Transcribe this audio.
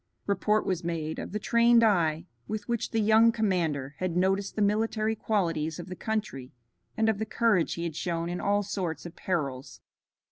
Report was made of the trained eye with which the young commander had noticed the military qualities of the country and of the courage he had shown in all sorts of perils.